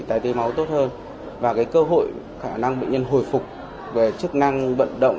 thời tiết máu tốt hơn và cơ hội khả năng bệnh nhân hồi phục về chức năng bận động